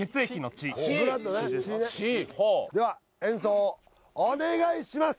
血では演奏をお願いします！